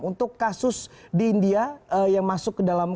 untuk kasus di india yang masuk ke dalam